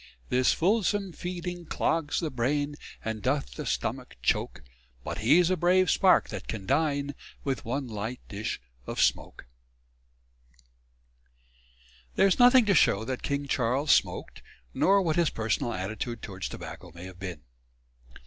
This fulsome feeding cloggs the brain And doth the stomach choak But he's a brave spark that can dine With one light dish of smoak._ There is nothing to show that King Charles smoked, nor what his personal attitude towards tobacco may have been.